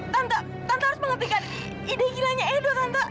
tante tante harus menghentikan ide gilanya edo tante